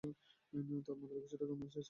তাপমাত্রা কিছুটা কমে আসে যখন শীত পড়ে।